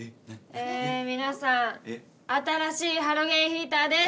え皆さん新しいハロゲンヒーターです！